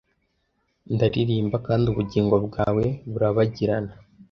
ndaririmba kandi ubugingo bwawe burabagirana